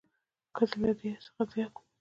ښځې له دې څخه زیات